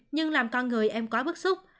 nhưng làm con người em quá bất xúc